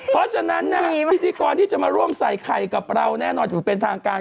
เพราะฉะนั้นพิธีกรที่จะมาร่วมใส่ไข่กับเราแน่นอนถูกเป็นทางการ